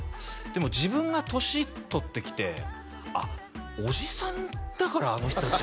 でも自分が年取ってきて「あっおじさんだからあの人達」